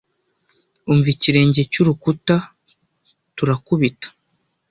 umva ikirenge cyurukuta turakubita